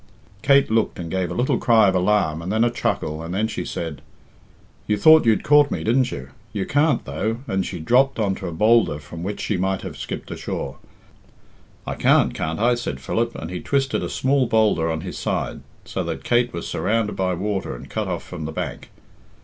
Kate looked and gave a little cry of alarm and then a chuckle, and then she said "You thought you'd caught me, didn't you? You can't, though," and she dropped on to a boulder from which she might have skipped ashore. "I can't, can't I?" said Philip; and he twisted a smaller boulder on his side, so that Kate was surrounded by water and cut off from the bank.